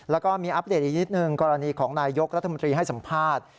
แล้วก็มีอัปเดตอีกนิดนึงกรณีของนายยกรัฐมนตรีให้สัมภาษณ์